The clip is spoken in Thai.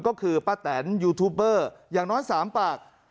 ก็คือป้าแตนยูทูปเบอร์อย่างน้อย๓ปาก